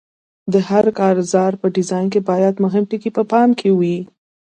د هر کارزار په ډیزاین کې باید مهم ټکي په پام کې وي.